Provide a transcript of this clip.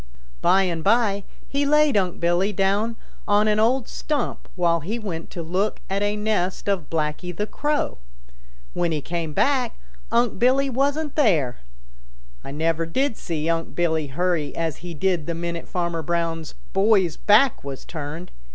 By and by he laid Unc' Billy down on an old stump while he went to look at a nest of Blacky the Crow. When he came back Unc' Billy wasn't there. I never did see Unc' Billy hurry as he did the minute Farmer Brown's boy's back was turned.